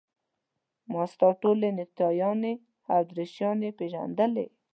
ما ستا ټولې نکټایانې او دریشیانې پېژندلې.